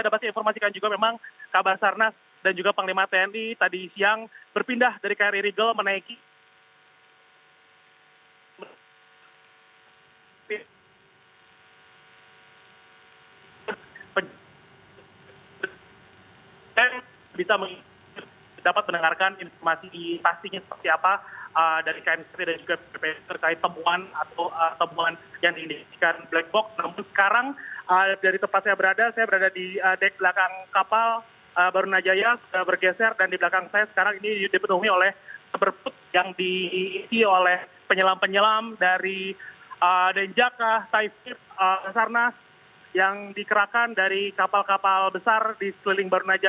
dan pasti informasikan juga memang kabar sarna dan juga panglima tni tadi siang berpindah dari kri rigel menaiki